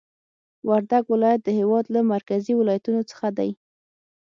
وردګ ولایت د هېواد له مرکزي ولایتونو څخه دی